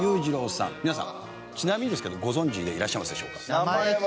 皆さんちなみにですけどご存じでいらっしゃいますでしょうか？